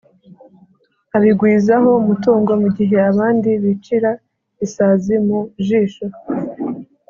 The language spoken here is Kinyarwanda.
abigwizaho umutungo, mu gihe abandi bicira isazi mu jisho.